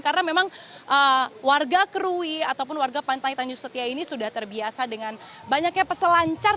karena memang warga krui ataupun warga pantai tanjusetia ini sudah terbiasa dengan banyaknya peselancar